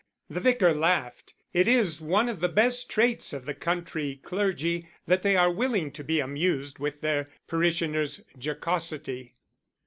The Vicar laughed; it is one of the best traits of the country clergy that they are willing to be amused with their parishioners' jocosity.